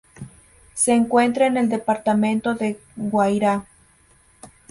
Se encuentra en el departamento de Guairá.